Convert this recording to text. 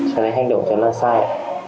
hành động chẳng là sai